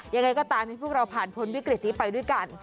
ยังไงก็ตามให้พวกเราผ่านพ้นวิกฤตนี้ไปด้วยกัน